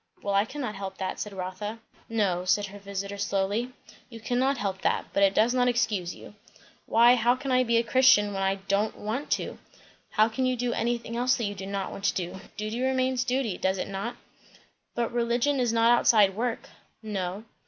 '" "Well, I cannot help that," said Rotha. "No, " said her visiter slowly, "you cannot help that; but it does not excuse you." "Why, how can I be a Christian, when I dont want to?" "How can you do anything else that you do not want to do? Duty remains duty, does it not?" "But religion is not outside work." "No."